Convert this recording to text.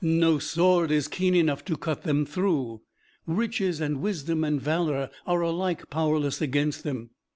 No sword is keen enough to cut them through; riches and wisdom and valor are alike powerless against them.